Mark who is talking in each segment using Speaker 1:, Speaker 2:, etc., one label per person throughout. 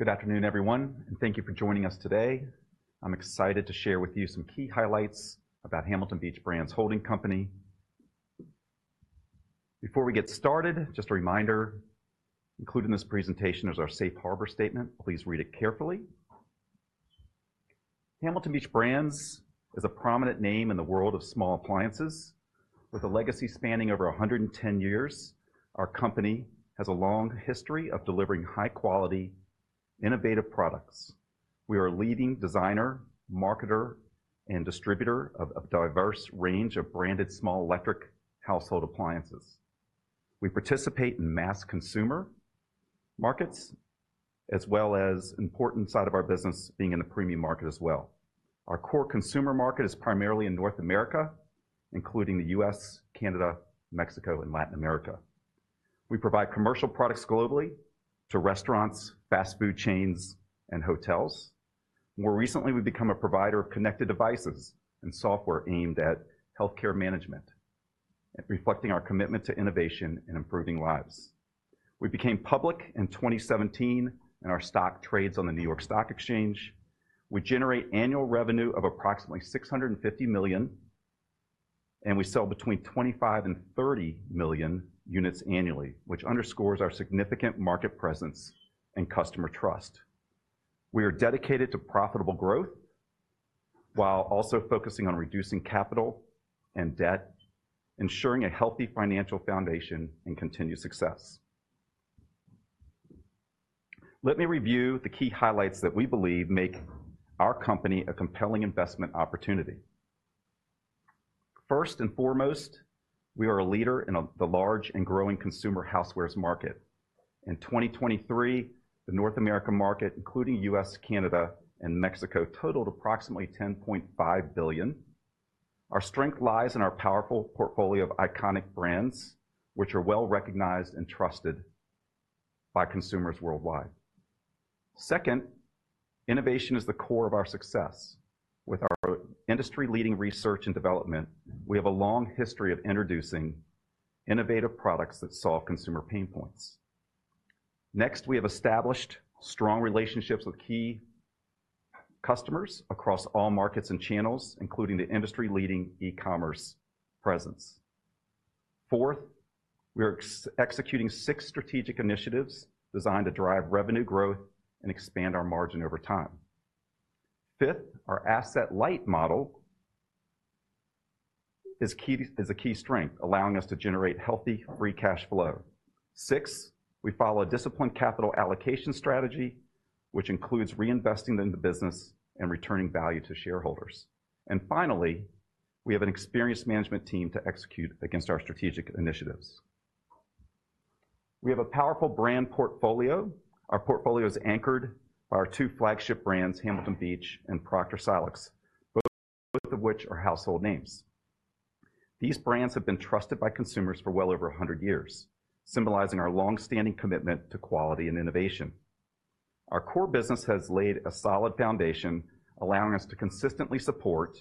Speaker 1: Good afternoon, everyone, and thank you for joining us today. I'm excited to share with you some key highlights about Hamilton Beach Brands Holding Company. Before we get started, just a reminder, including this presentation, is our Safe Harbor Statement. Please read it carefully. Hamilton Beach Brands is a prominent name in the world of small appliances. With a legacy spanning over 110 years, our company has a long history of delivering high-quality, innovative products. We are a leading designer, marketer, and distributor of a diverse range of branded small electric household appliances. We participate in mass consumer markets, as well as important side of our business being in the premium market as well. Our core consumer market is primarily in North America, including the U.S., Canada, Mexico, and Latin America. We provide commercial products globally to restaurants, fast food chains, and hotels. More recently, we've become a provider of connected devices and software aimed at healthcare management, and reflecting our commitment to innovation and improving lives. We became public in 2017, and our stock trades on the New York Stock Exchange. We generate annual revenue of approximately $650 million, and we sell between 25 and 30 million units annually, which underscores our significant market presence and customer trust. We are dedicated to profitable growth while also focusing on reducing capital and debt, ensuring a healthy financial foundation and continued success. Let me review the key highlights that we believe make our company a compelling investment opportunity. First and foremost, we are a leader in the large and growing consumer housewares market. In 2023, the North American market, including U.S., Canada, and Mexico, totaled approximately $10.5 billion. Our strength lies in our powerful portfolio of iconic brands, which are well-recognized and trusted by consumers worldwide. Second, innovation is the core of our success. With our industry-leading research and development, we have a long history of introducing innovative products that solve consumer pain points. Next, we have established strong relationships with key customers across all markets and channels, including the industry-leading e-commerce presence. Fourth, we are executing six strategic initiatives designed to drive revenue growth and expand our margin over time. Fifth, our asset-light model is a key strength, allowing us to generate healthy free cash flow. Six, we follow a disciplined capital allocation strategy, which includes reinvesting in the business and returning value to shareholders. And finally, we have an experienced management team to execute against our strategic initiatives. We have a powerful brand portfolio. Our portfolio is anchored by our two flagship brands, Hamilton Beach and Proctor Silex, both of which are household names. These brands have been trusted by consumers for well over a hundred years, symbolizing our long-standing commitment to quality and innovation. Our core business has laid a solid foundation, allowing us to consistently support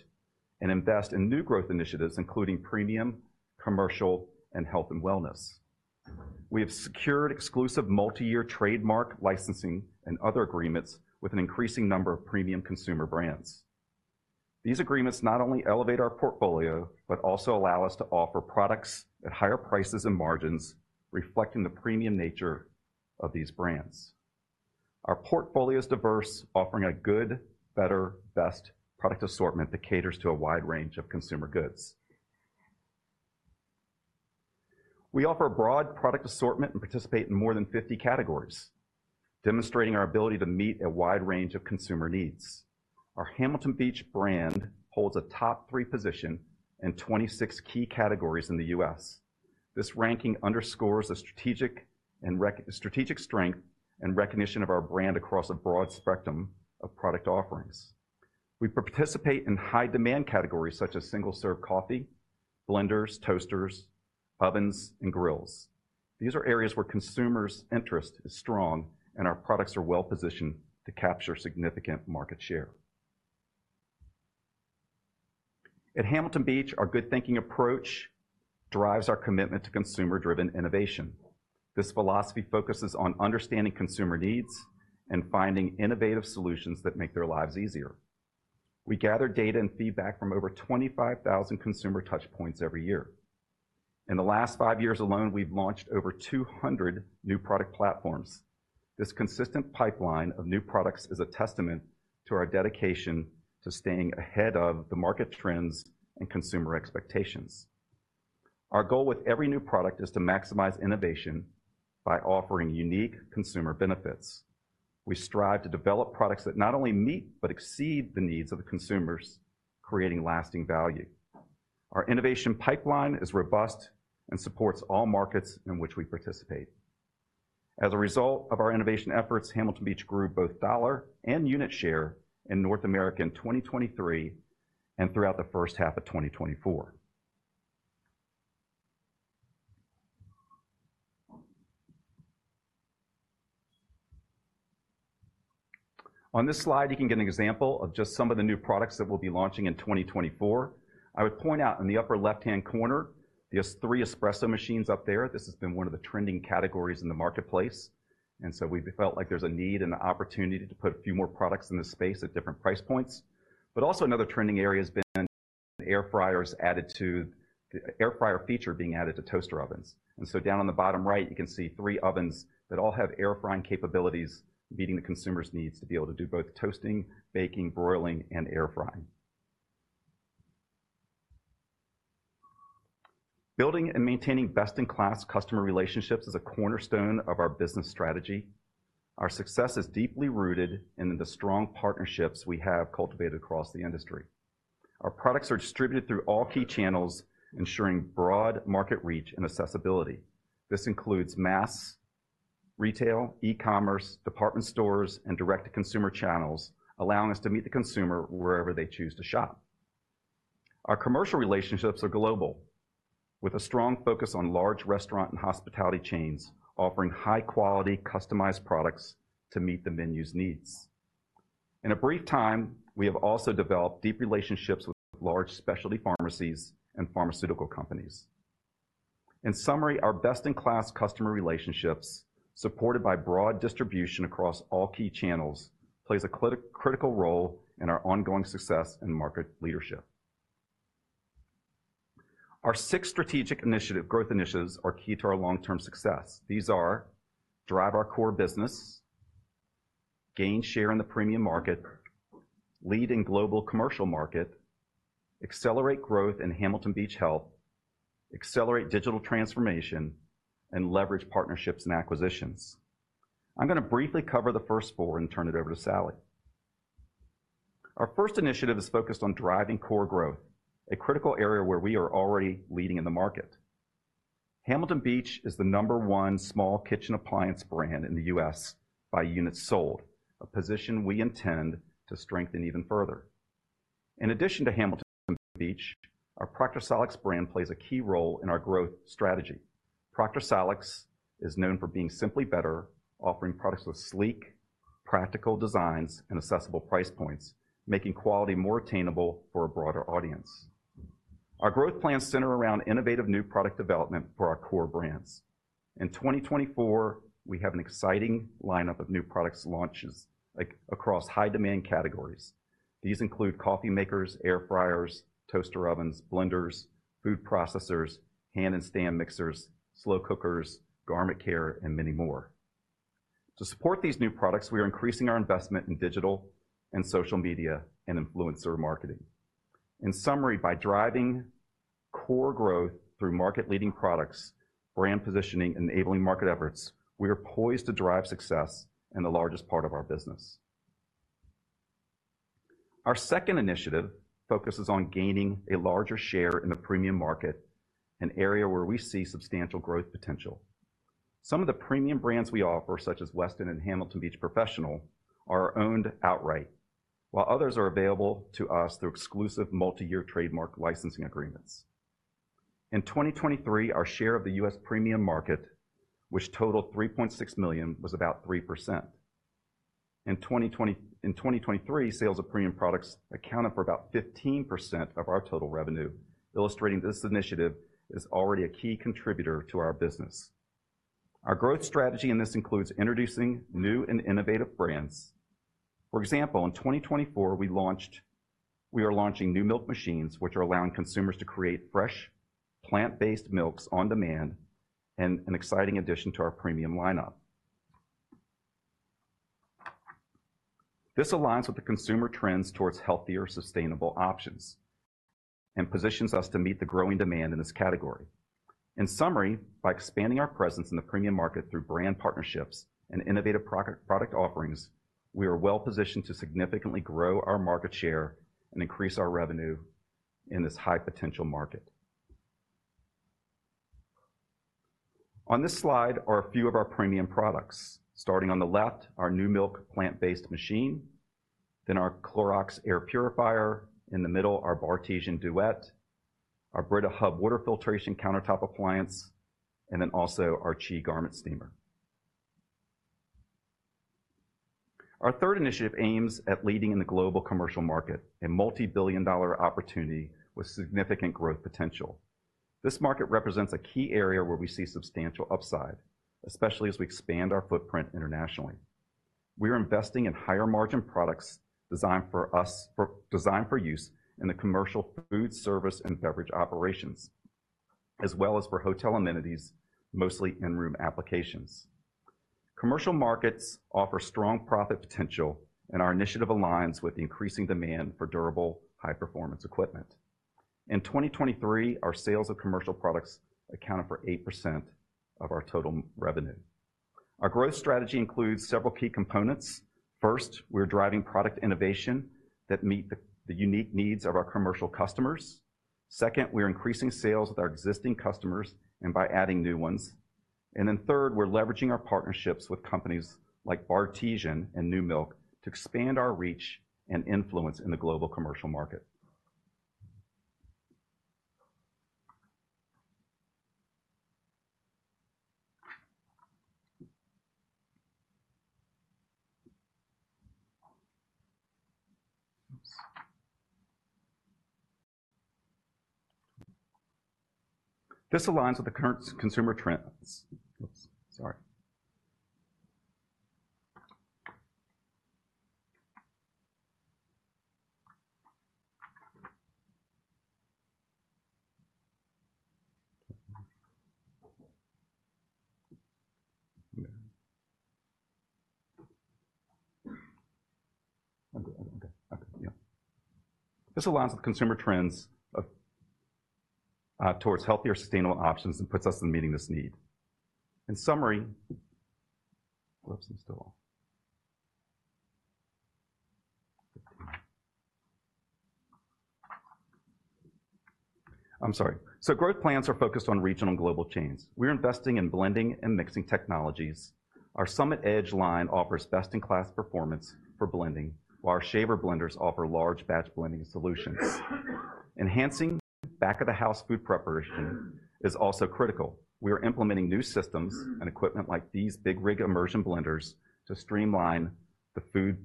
Speaker 1: and invest in new growth initiatives, including premium, commercial, and health and wellness. We have secured exclusive multi-year trademark licensing and other agreements with an increasing number of premium consumer brands. These agreements not only elevate our portfolio, but also allow us to offer products at higher prices and margins, reflecting the premium nature of these brands. Our portfolio is diverse, offering a good, better, best product assortment that caters to a wide range of consumer goods. We offer a broad product assortment and participate in more than fifty categories, demonstrating our ability to meet a wide range of consumer needs. Our Hamilton Beach brand holds a top three position in twenty-six key categories in the U.S. This ranking underscores the strategic strength and recognition of our brand across a broad spectrum of product offerings. We participate in high-demand categories such as single-serve coffee, blenders, toasters, ovens, and grills. These are areas where consumers' interest is strong and our products are well-positioned to capture significant market share. At Hamilton Beach, our good thinking approach drives our commitment to consumer-driven innovation. This philosophy focuses on understanding consumer needs and finding innovative solutions that make their lives easier. We gather data and feedback from over twenty-five thousand consumer touchpoints every year. In the last five years alone, we've launched over two hundred new product platforms. This consistent pipeline of new products is a testament to our dedication to staying ahead of the market trends and consumer expectations. Our goal with every new product is to maximize innovation by offering unique consumer benefits. We strive to develop products that not only meet but exceed the needs of the consumers, creating lasting value. Our innovation pipeline is robust and supports all markets in which we participate. As a result of our innovation efforts, Hamilton Beach grew both dollar and unit share in North America in twenty twenty-three and throughout the first half of twenty twenty-four. On this slide, you can get an example of just some of the new products that we'll be launching in twenty twenty-four. I would point out in the upper left-hand corner, these three espresso machines up there, this has been one of the trending categories in the marketplace, and so we felt like there's a need and an opportunity to put a few more products in this space at different price points. But also another trending area has been air fryers added to, air fryer feature being added to toaster ovens. And so down on the bottom right, you can see three ovens that all have air frying capabilities, meeting the consumer's needs to be able to do both toasting, baking, broiling, and air frying. Building and maintaining best-in-class customer relationships is a cornerstone of our business strategy. Our success is deeply rooted in the strong partnerships we have cultivated across the industry. Our products are distributed through all key channels, ensuring broad market reach and accessibility. This includes mass retail, e-commerce, department stores, and direct-to-consumer channels, allowing us to meet the consumer wherever they choose to shop. Our commercial relationships are global, with a strong focus on large restaurant and hospitality chains, offering high-quality, customized products to meet the menu's needs. In a brief time, we have also developed deep relationships with large specialty pharmacies and pharmaceutical companies. In summary, our best-in-class customer relationships, supported by broad distribution across all key channels, plays a critical role in our ongoing success and market leadership. Our six strategic growth initiatives are key to our long-term success. These are: drive our core business, gain share in the premium market, lead in global commercial market, accelerate growth in Hamilton Beach Health, accelerate digital transformation, and leverage partnerships and acquisitions. I'm going to briefly cover the first four and turn it over to Sally. Our first initiative is focused on driving core growth, a critical area where we are already leading in the market. Hamilton Beach is the number one small kitchen appliance brand in the U.S. by units sold, a position we intend to strengthen even further. In addition to Hamilton Beach, our Proctor Silex brand plays a key role in our growth strategy. Proctor Silex is known for being simply better, offering products with sleek, practical designs and accessible price points, making quality more attainable for a broader audience. Our growth plans center around innovative new product development for our core brands. In twenty twenty-four, we have an exciting lineup of new products launches across high-demand categories. These include coffee makers, air fryers, toaster ovens, blenders, food processors, hand and stand mixers, slow cookers, garment care, and many more. To support these new products, we are increasing our investment in digital and social media and influencer marketing. In summary, by driving core growth through market-leading products, brand positioning, and enabling market efforts, we are poised to drive success in the largest part of our business. Our second initiative focuses on gaining a larger share in the premium market, an area where we see substantial growth potential. Some of the premium brands we offer, such as Weston and Hamilton Beach Professional, are owned outright, while others are available to us through exclusive multi-year trademark licensing agreements. In 2023, our share of the U.S. premium market, which totaled $3.6 million, was about 3%. In 2023, sales of premium products accounted for about 15% of our total revenue, illustrating this initiative is already a key contributor to our business. Our growth strategy in this includes introducing new and innovative brands. For example, in twenty twenty-four, we are launching new milk machines, which are allowing consumers to create fresh, plant-based milks on demand and an exciting addition to our premium lineup. This aligns with the consumer trends towards healthier, sustainable options and positions us to meet the growing demand in this category. In summary, by expanding our presence in the premium market through brand partnerships and innovative product offerings, we are well positioned to significantly grow our market share and increase our revenue in this high-potential market. On this slide are a few of our premium products. Starting on the left, our new milk plant-based machine, then our Clorox air purifier, in the middle, our Bartesian Duet, our Brita Hub water filtration countertop appliance, and then also our CHI garment steamer. Our third initiative aims at leading in the global commercial market, a multi-billion-dollar opportunity with significant growth potential. This market represents a key area where we see substantial upside, especially as we expand our footprint internationally. We are investing in higher-margin products designed for use in the commercial food service and beverage operations, as well as for hotel amenities, mostly in-room applications. Commercial markets offer strong profit potential, and our initiative aligns with the increasing demand for durable, high-performance equipment. In 2023, our sales of commercial products accounted for 8% of our total revenue. Our growth strategy includes several key components. First, we're driving product innovation that meet the unique needs of our commercial customers. Second, we're increasing sales with our existing customers and by adding new ones. And then third, we're leveraging our partnerships with companies like Bartesian and New Milk to expand our reach and influence in the global commercial market. This aligns with the current consumer trends. This aligns with consumer trends of towards healthier, sustainable options and puts us in meeting this need. In summary, growth plans are focused on regional and global chains. We're investing in blending and mixing technologies. Our Summit Edge line offers best-in-class performance for blending, while our Shaver blenders offer large batch blending solutions. Enhancing back-of-the-house food preparation is also critical. We are implementing new systems and equipment like these Big Rig immersion blenders to streamline the food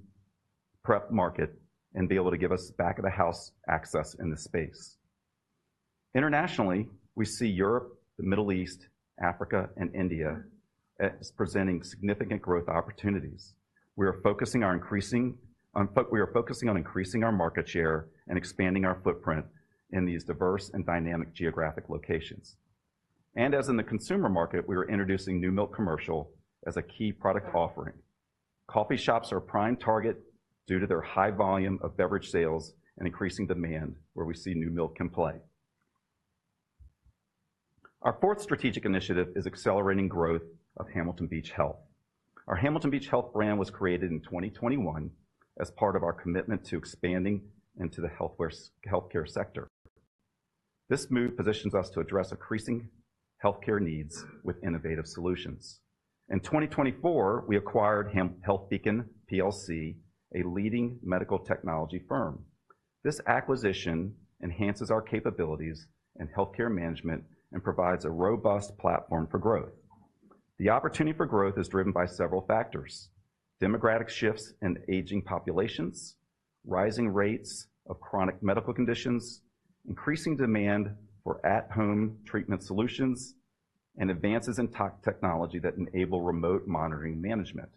Speaker 1: prep market and be able to give us back-of-the-house access in the space. Internationally, we see Europe, the Middle East, Africa, and India as presenting significant growth opportunities. We are focusing on increasing our market share and expanding our footprint in these diverse and dynamic geographic locations. As in the consumer market, we are introducing New Milk commercial as a key product offering. Coffee shops are a prime target due to their high volume of beverage sales and increasing demand, where we see New Milk can play. Our fourth strategic initiative is accelerating growth of Hamilton Beach Health. Our Hamilton Beach Health brand was created in 2021 as part of our commitment to expanding into the healthcare sector. This move positions us to address increasing healthcare needs with innovative solutions. In 2024, we acquired HealthBeacon PLC, a leading medical technology firm. This acquisition enhances our capabilities in healthcare management and provides a robust platform for growth. The opportunity for growth is driven by several factors: demographic shifts and aging populations, rising rates of chronic medical conditions, increasing demand for at-home treatment solutions, and advances in technology that enable remote monitoring management.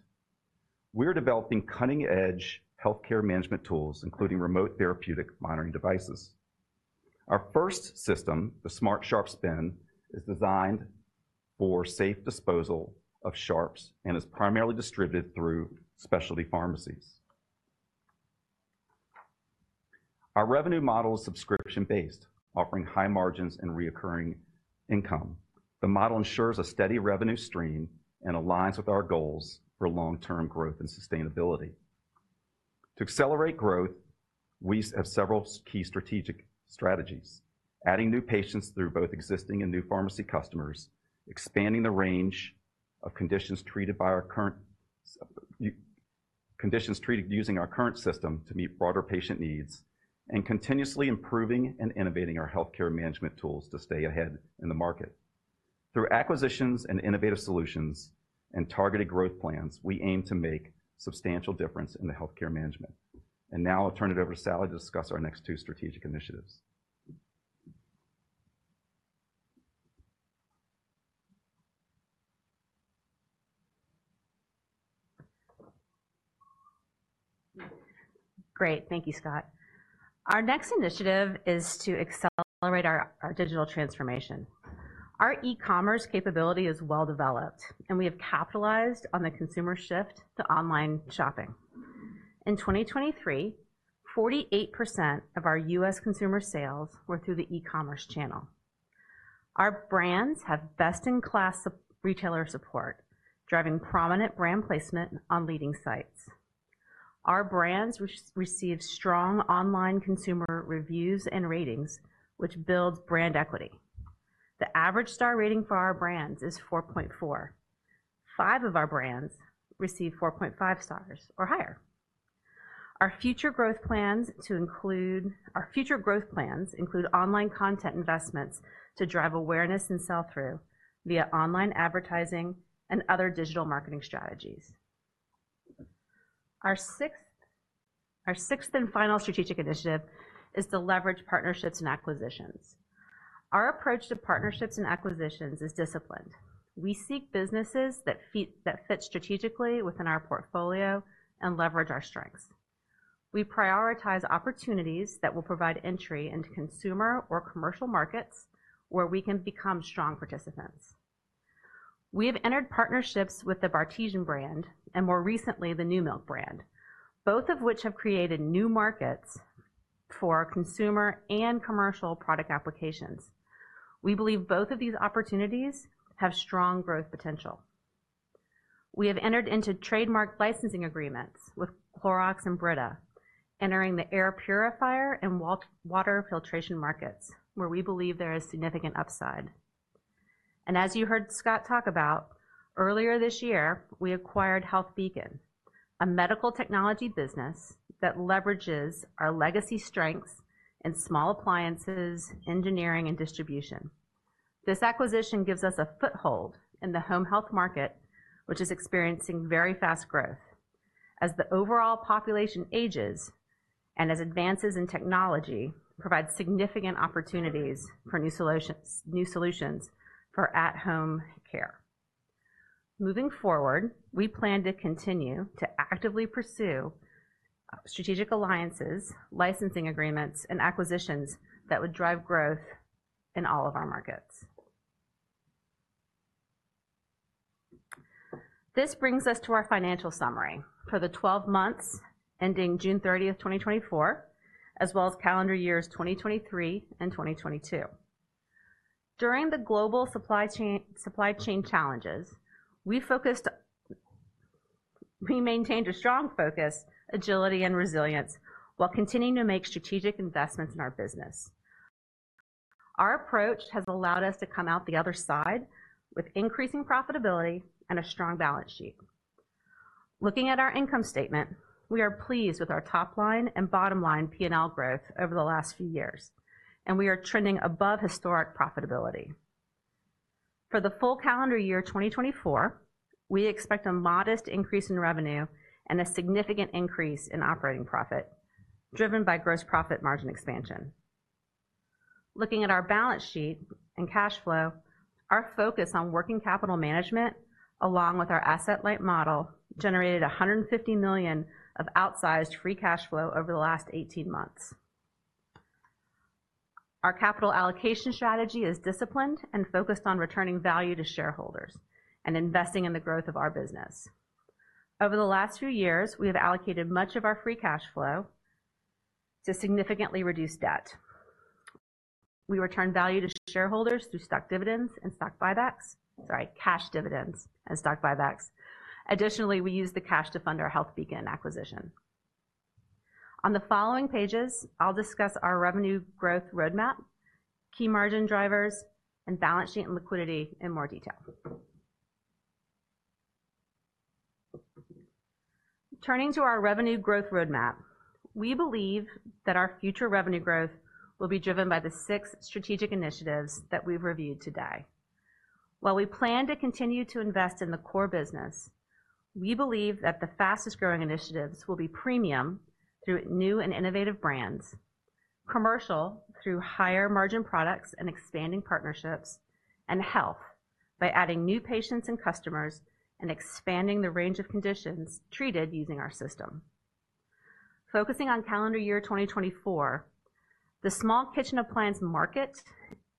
Speaker 1: We're developing cutting-edge healthcare management tools, including remote therapeutic monitoring devices. Our first system, the Smart Sharps Bin, is designed for safe disposal of sharps and is primarily distributed through specialty pharmacies. Our revenue model is subscription-based, offering high margins and recurring income. The model ensures a steady revenue stream and aligns with our goals for long-term growth and sustainability. To accelerate growth, we have several key strategic strategies: adding new patients through both existing and new pharmacy customers, expanding the range of conditions treated by our current... conditions treated using our current system to meet broader patient needs, and continuously improving and innovating our healthcare management tools to stay ahead in the market. Through acquisitions and innovative solutions and targeted growth plans, we aim to make substantial difference in the healthcare management. And now I'll turn it over to Sally to discuss our next two strategic initiatives.
Speaker 2: Great. Thank you, Scott. Our next initiative is to accelerate our digital transformation. Our e-commerce capability is well-developed, and we have capitalized on the consumer shift to online shopping. In 2023, 48% of our U.S. consumer sales were through the e-commerce channel. Our brands have best-in-class retailer support, driving prominent brand placement on leading sites. Our brands receive strong online consumer reviews and ratings, which builds brand equity. The average star rating for our brands is 4.4. Five of our brands receive 4.5 stars or higher. Our future growth plans include online content investments to drive awareness and sell-through via online advertising and other digital marketing strategies. Our sixth and final strategic initiative is to leverage partnerships and acquisitions. Our approach to partnerships and acquisitions is disciplined. We seek businesses that fit strategically within our portfolio and leverage our strengths. We prioritize opportunities that will provide entry into consumer or commercial markets, where we can become strong participants. We have entered partnerships with the Bartesian brand and more recently, the New Milk brand, both of which have created new markets for consumer and commercial product applications. We believe both of these opportunities have strong growth potential. We have entered into trademark licensing agreements with Clorox and Brita, entering the air purifier and water filtration markets, where we believe there is significant upside, and as you heard Scott talk about, earlier this year, we acquired HealthBeacon, a medical technology business that leverages our legacy strengths in small appliances, engineering, and distribution. This acquisition gives us a foothold in the home health market, which is experiencing very fast growth. As the overall population ages, and as advances in technology provide significant opportunities for new solutions for at-home care. Moving forward, we plan to continue to actively pursue strategic alliances, licensing agreements, and acquisitions that would drive growth in all of our markets. This brings us to our financial summary for the twelve months ending June thirtieth, 2024, as well as calendar years 2023 and 2022. During the global supply chain challenges, we maintained a strong focus, agility, and resilience while continuing to make strategic investments in our business. Our approach has allowed us to come out the other side with increasing profitability and a strong balance sheet. Looking at our income statement, we are pleased with our top line and bottom line P&L growth over the last few years, and we are trending above historic profitability. For the full calendar year 2024, we expect a modest increase in revenue and a significant increase in operating profit, driven by gross profit margin expansion. Looking at our balance sheet and cash flow, our focus on working capital management, along with our asset-light model, generated $150 million of outsized free cash flow over the last 18 months. Our capital allocation strategy is disciplined and focused on returning value to shareholders and investing in the growth of our business. Over the last few years, we have allocated much of our free cash flow to significantly reduce debt. We return value to shareholders through stock dividends and stock buybacks. Sorry, cash dividends and stock buybacks. Additionally, we use the cash to fund our HealthBeacon acquisition. On the following pages, I'll discuss our revenue growth roadmap, key margin drivers, and balance sheet and liquidity in more detail. Turning to our revenue growth roadmap, we believe that our future revenue growth will be driven by the six strategic initiatives that we've reviewed today. While we plan to continue to invest in the core business, we believe that the fastest-growing initiatives will be premium through new and innovative brands, commercial through higher margin products and expanding partnerships, and health by adding new patients and customers and expanding the range of conditions treated using our system. Focusing on calendar year 2024, the small kitchen appliance market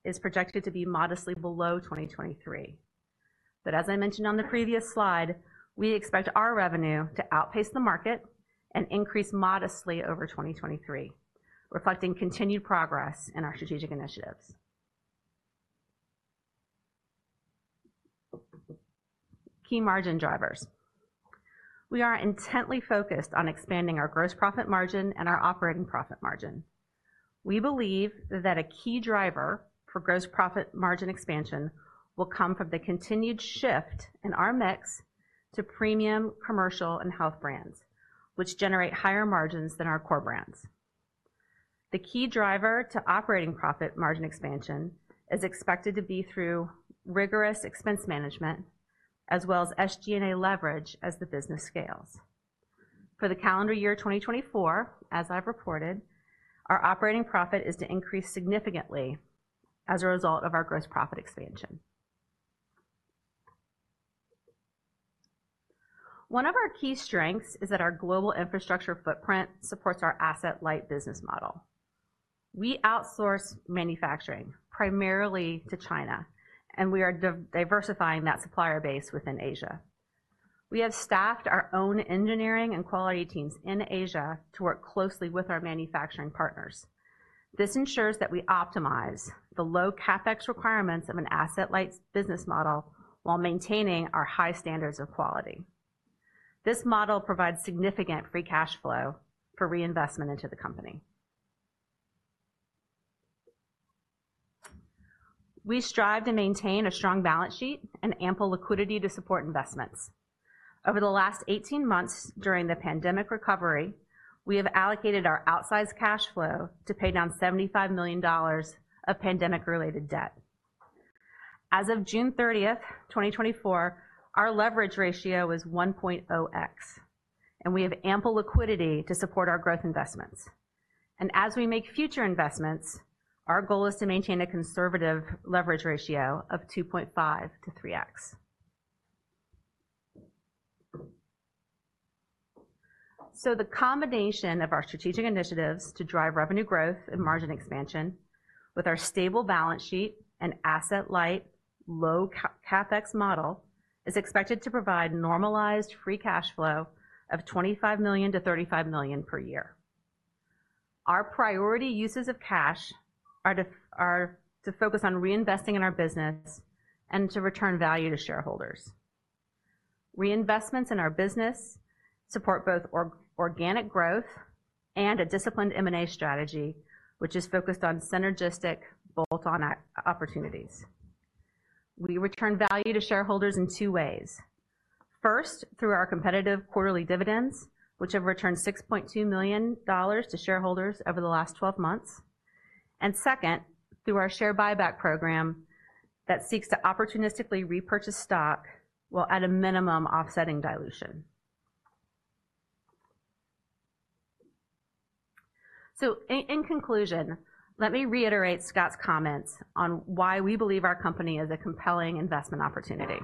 Speaker 2: is projected to be modestly below 2023. But as I mentioned on the previous slide, we expect our revenue to outpace the market and increase modestly over 2023, reflecting continued progress in our strategic initiatives. Key margin drivers. We are intently focused on expanding our gross profit margin and our operating profit margin. We believe that a key driver for gross profit margin expansion will come from the continued shift in our mix to premium, commercial, and health brands, which generate higher margins than our core brands. The key driver to operating profit margin expansion is expected to be through rigorous expense management, as well as SG&A leverage as the business scales. For the calendar year twenty twenty-four, as I've reported, our operating profit is to increase significantly as a result of our gross profit expansion. One of our key strengths is that our global infrastructure footprint supports our asset-light business model. We outsource manufacturing primarily to China, and we are diversifying that supplier base within Asia. We have staffed our own engineering and quality teams in Asia to work closely with our manufacturing partners. This ensures that we optimize the low CapEx requirements of an asset-light business model while maintaining our high standards of quality. This model provides significant free cash flow for reinvestment into the company. We strive to maintain a strong balance sheet and ample liquidity to support investments. Over the last 18 months during the pandemic recovery, we have allocated our outsized cash flow to pay down $75 million of pandemic-related debt. As of June 30th, 2024, our leverage ratio is 1.0x, and we have ample liquidity to support our growth investments, and as we make future investments, our goal is to maintain a conservative leverage ratio of 2.5 to 3x. So the combination of our strategic initiatives to drive revenue growth and margin expansion with our stable balance sheet and asset-light, low CapEx model, is expected to provide normalized free cash flow of $25 million-$35 million per year. Our priority uses of cash are to focus on reinvesting in our business and to return value to shareholders. Reinvestments in our business support both organic growth and a disciplined M&A strategy, which is focused on synergistic bolt-on opportunities. We return value to shareholders in two ways. First, through our competitive quarterly dividends, which have returned $6.2 million to shareholders over the last 12 months. And second, through our share buyback program that seeks to opportunistically repurchase stock, while at a minimum, offsetting dilution. So in conclusion, let me reiterate Scott's comments on why we believe our company is a compelling investment opportunity.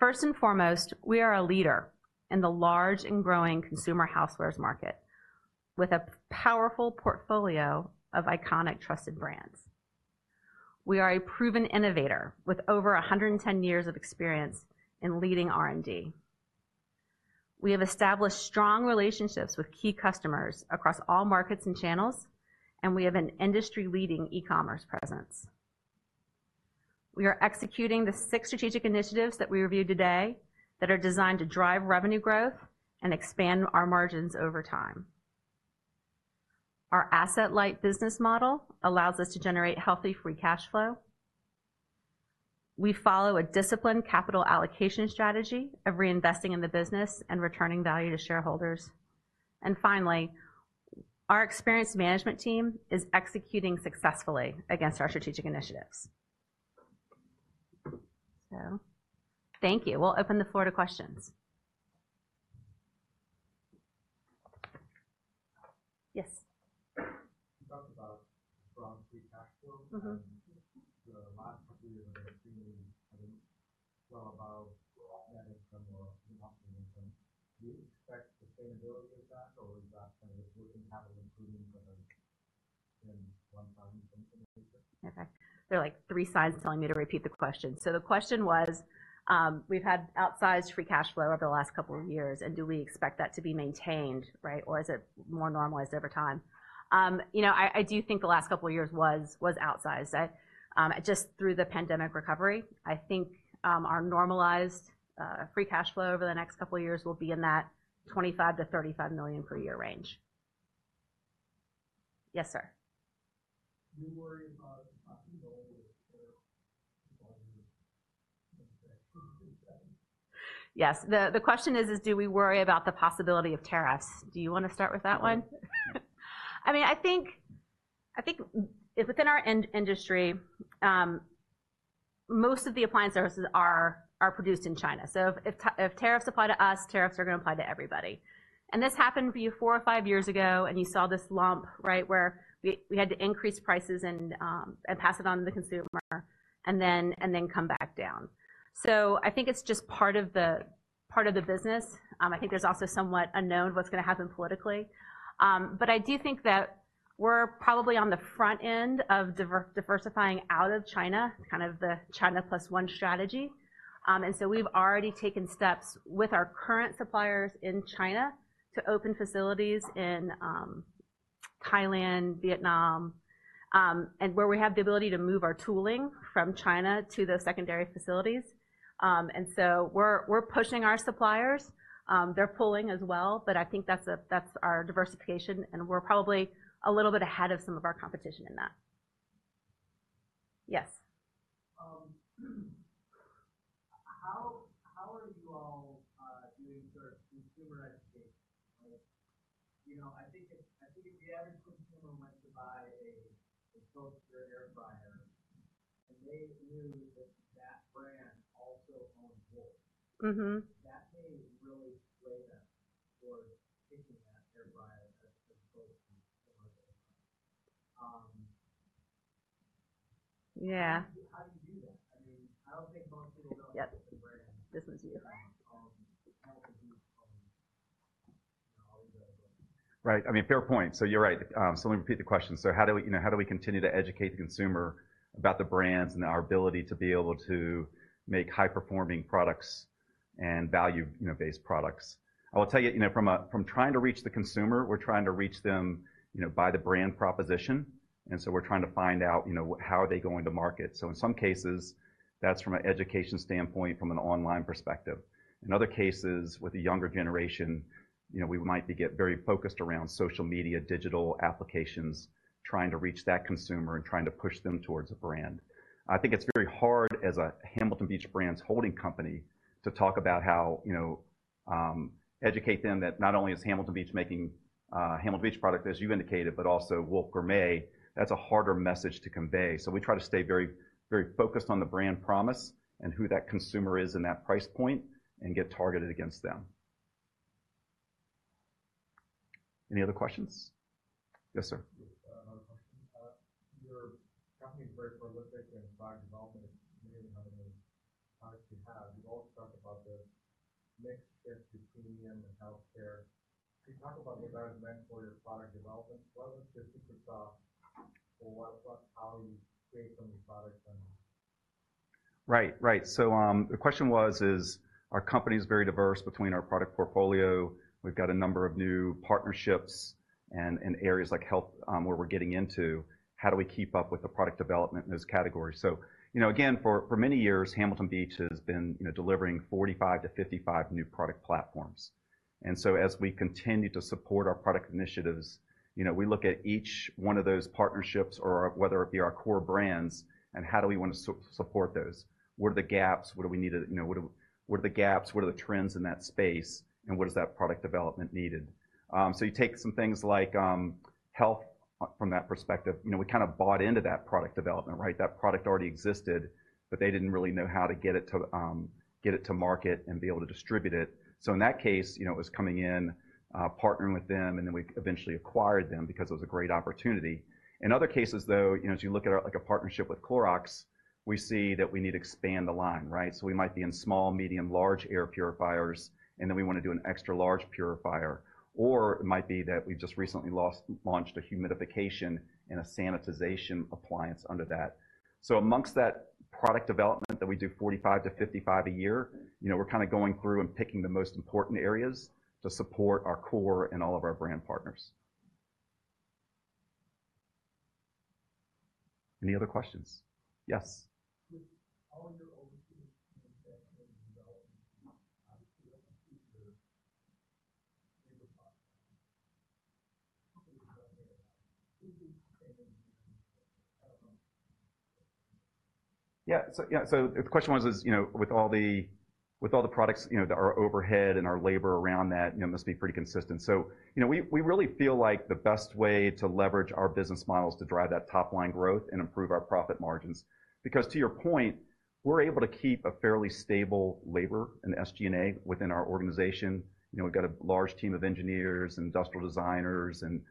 Speaker 2: First and foremost, we are a leader in the large and growing consumer housewares market, with a powerful portfolio of iconic, trusted brands. We are a proven innovator, with over a hundred and ten years of experience in leading R&D. We have established strong relationships with key customers across all markets and channels, and we have an industry-leading e-commerce presence. We are executing the six strategic initiatives that we reviewed today that are designed to drive revenue growth and expand our margins over time. Our asset-light business model allows us to generate healthy free cash flow. We follow a disciplined capital allocation strategy of reinvesting in the business and returning value to shareholders. And finally, our experienced management team is executing successfully against our strategic initiatives. So thank you. We'll open the floor to questions. Yes. You talked about strong free cash flow. The last couple of years have been extremely well above net income or income. Do you expect sustainability of that, or is that kind of a one-time thing into the future? Okay. There are, like, three signs telling me to repeat the question. So the question was, we've had outsized free cash flow over the last couple of years, and do we expect that to be maintained, right? Or is it more normalized over time? You know, I do think the last couple of years was outsized. I just through the pandemic recovery, I think, our normalized free cash flow over the next couple of years will be in that $25-$35 million per year range. Yes, sir. Do you worry about the possibility of tariffs? Yes. The question is, do we worry about the possibility of tariffs? Do you want to start with that one? I mean, I think within our industry, most of the appliances are produced in China, so if tariffs apply to us, tariffs are going to apply to everybody and this happened four or five years ago, and you saw this lump, right, where we had to increase prices and pass it on to the consumer, and then come back down, so I think it's just part of the business. I think there's also somewhat unknown what's going to happen politically, but I do think that we're probably on the front end of diversifying out of China, kind of the China Plus One strategy. And so we've already taken steps with our current suppliers in China to open facilities in Thailand, Vietnam, and where we have the ability to move our tooling from China to those secondary facilities. And so we're pushing our suppliers. They're pulling as well, but I think that's our diversification, and we're probably a little bit ahead of some of our competition in that. Yes. How are you all doing sort of consumer education? Like, you know, I think if the average consumer went to buy a toaster air fryer, and they knew that that brand also owns Wolf- That may really sway them towards taking that air fryer as opposed to... Yeah. How do you do that? I mean, I don't think most people know- Yep. -the brand. This one's you. How do you...
Speaker 1: Right. I mean, fair point. So you're right. So let me repeat the question. So how do we, you know, how do we continue to educate the consumer about the brands and our ability to be able to make high-performing products and value, you know, based products? I will tell you, you know, from trying to reach the consumer, we're trying to reach them, you know, by the brand proposition, and so we're trying to find out, you know, how are they going to market. So in some cases, that's from an education standpoint, from an online perspective. In other cases, with the younger generation, you know, we might get very focused around social media, digital applications, trying to reach that consumer and trying to push them towards a brand. I think it's very hard as a Hamilton Beach Brands Holding Company to talk about how, you know, educate them that not only is Hamilton Beach making Hamilton Beach product, as you've indicated, but also Wolf Gourmet. That's a harder message to convey. So we try to stay very, very focused on the brand promise and who that consumer is in that price point and get targeted against them. Any other questions? Yes, sir. Yes, another question. Your company is very prolific in product development, many of the products you have. You also talked about the mix shift to premium and healthcare. Can you talk about the environment for your product development, whether it's just yourself or what, how you create some of your products then? Right. Right. So, the question was, is our company is very diverse between our product portfolio. We've got a number of new partnerships. And areas like health, where we're getting into, how do we keep up with the product development in this category? So, you know, again, for many years, Hamilton Beach has been, you know, delivering forty-five to fifty-five new product platforms. And so as we continue to support our product initiatives, you know, we look at each one of those partnerships or whether it be our core brands, and how do we want to support those? Where are the gaps? What do we need to, you know, what are the gaps? What are the trends in that space, and what is that product development needed? So you take some things like health from that perspective, you know, we kind of bought into that product development, right? That product already existed, but they didn't really know how to get it to market and be able to distribute it. So in that case, you know, it was coming in, partnering with them, and then we eventually acquired them because it was a great opportunity. In other cases, though, you know, as you look at, like, a partnership with Clorox, we see that we need to expand the line, right? So we might be in small, medium, large air purifiers, and then we want to do an extra large purifier. Or it might be that we've just recently launched a humidification and a sanitization appliance under that. So amongst that product development that we do 45-55 a year, you know, we're kind of going through and picking the most important areas to support our core and all of our brand partners. Any other questions? Yes. With all your overseas development, how do you compete with your labor costs? Yeah. So, the question was, you know, with all the products, you know, that our overhead and our labor around that, you know, must be pretty consistent. So, you know, we really feel like the best way to leverage our business model is to drive that top-line growth and improve our profit margins. Because to your point, we're able to keep a fairly stable labor and SG&A within our organization. You know, we've got a large team of engineers and industrial designers and,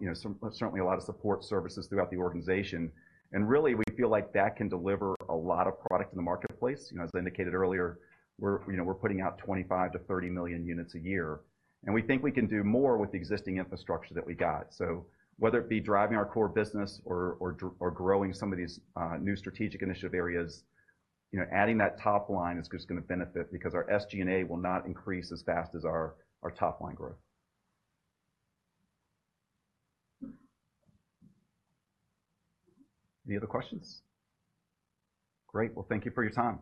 Speaker 1: you know, certainly a lot of support services throughout the organization. And really, we feel like that can deliver a lot of product in the marketplace. You know, as I indicated earlier, we're, you know, we're putting out twenty-five to thirty million units a year, and we think we can do more with the existing infrastructure that we got. So whether it be driving our core business or growing some of these new strategic initiative areas, you know, adding that top line is just going to benefit because our SG&A will not increase as fast as our top-line growth. Any other questions? Great. Well, thank you for your time.